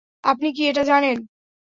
আপনি কী এটা জানেন?